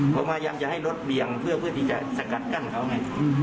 ผมพยายามจะให้รถเบี่ยงเพื่อที่จะสกัดกั้นเขาไง